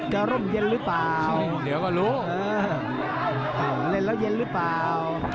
ร่มเย็นหรือเปล่าเดี๋ยวก็รู้เล่นแล้วเย็นหรือเปล่า